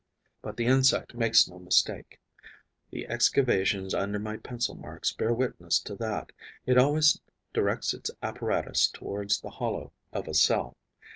But the insect makes no mistake: the excavations under my pencil marks bear witness to that; it always directs its apparatus towards the hollow of a cell.